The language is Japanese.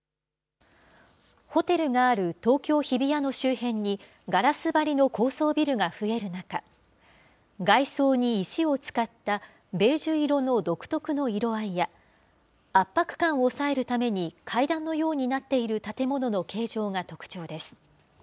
ホテルがある東京・日比谷の周辺に、ガラス張りの高層ビルが増える中、外装に石を使ったベージュ色の独特の色合いや、圧迫感を抑えるために階段のようになっている建物の形状が特徴です。